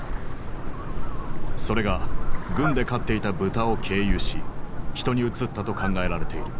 それが軍で飼っていた豚を経由し人にうつったと考えられている。